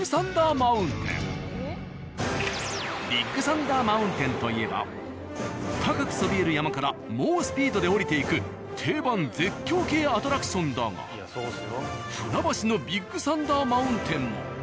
ビッグサンダー・マウンテンといえば高くそびえる山から猛スピードで下りていく定番絶叫系アトラクションだが船橋のビッグサンダー・マウンテンも。